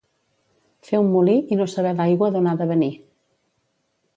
Fer un molí i no saber l'aigua d'on ha de venir.